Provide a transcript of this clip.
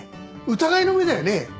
疑いの目だよね。